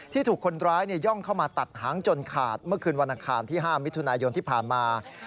ถูกคนร้ายย่องเข้ามาตัดหางจนขาดเมื่อคืนวันอังคารที่๕มิถุนายนที่ผ่านมา